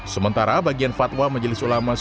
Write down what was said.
sementara bagian fatwa majelis ulama